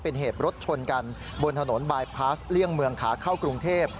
เป็นเหตุรถชนกันบนถนนบายพาสเลี่ยงเมืองขาเข้ากรุงเทพ